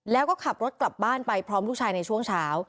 แล้วก็ขับรถกลับบ้านไปพร้อมลูกชายในช่วงเช้า